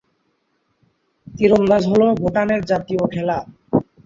তীরন্দাজ হলো ভুটানের জাতীয় খেলা।